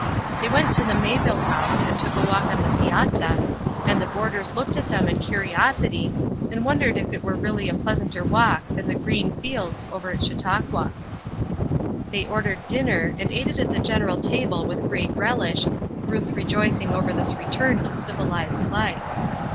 They went to the Mayville House and took a walk on the piazza, and the boarders looked at them in curiosity, and wondered if it were really a pleasanter walk than the green fields over at Chautauqua. They ordered dinner and ate it at the general table with great relish, Ruth rejoicing over this return to civilized life.